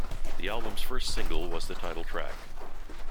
The album's first single was the title track.